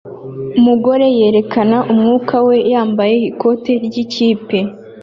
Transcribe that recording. Umugore yerekana umwuka we yambaye ikoti ryikipe